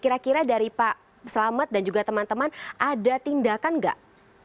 kira kira dari pak selamat dan juga teman teman ada tindakan nggak